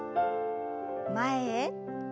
前へ。